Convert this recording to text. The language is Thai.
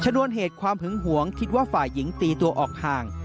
นวนเหตุความหึงหวงคิดว่าฝ่ายหญิงตีตัวออกห่าง